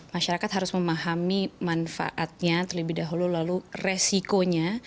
masyarakat harus memahami manfaatnya terlebih dahulu lalu resikonya